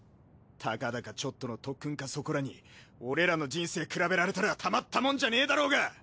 たかだかちょっとの特訓かそこらに俺らの人生比べられたらたまったもんじゃねえだろうが！